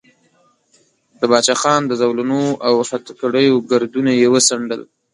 د باچا خان د زولنو او هتکړیو ګردونه یې وڅنډل.